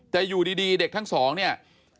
แต่อยู่ดีเด็กทั้งสองเนี่ย